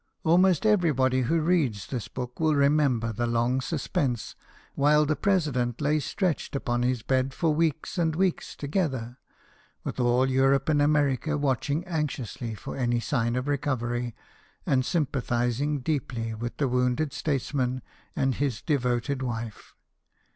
Almost everybody who reads this book will remember the long suspense, while the President lay stretched upon his bed for weeks and weeks together, with all Europe and America watching anxiously for any sign of recovery, and sympa thizing deeply with the wounded statesman and JAMES GARFIELD, CANAL BOY. 163 his devoted wife.